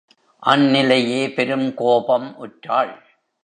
அந்நிலையே பெருங்கோபம் உற்றாள்.